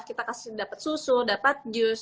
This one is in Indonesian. kita kasih dapat susu dapat jus